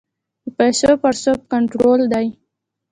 د پیسو پړسوب کنټرول دی؟